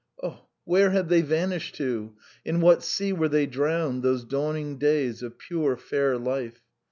..." Oh, where had they vanished to! In what sea were they drowned, those dawning days of pure, fair life?